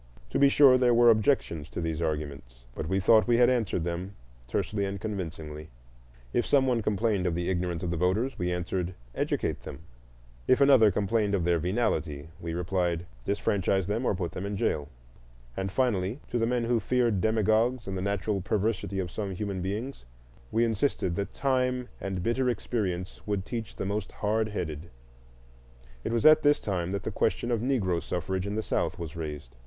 To be sure, there were objections to these arguments, but we thought we had answered them tersely and convincingly; if some one complained of the ignorance of voters, we answered, "Educate them." If another complained of their venality, we replied, "Disfranchise them or put them in jail." And, finally, to the men who feared demagogues and the natural perversity of some human beings we insisted that time and bitter experience would teach the most hardheaded. It was at this time that the question of Negro suffrage in the South was raised.